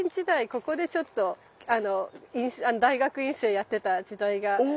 ここでちょっと大学院生やってた時代がありまして。